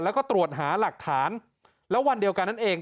แล้วก็ตรวจหาหลักฐานแล้ววันเดียวกันนั่นเอง